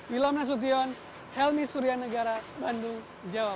wilhamna sution helmi suryanegara bandung jawa